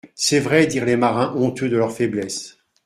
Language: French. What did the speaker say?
C'est vrai, dirent les marins honteux de leur faiblesse.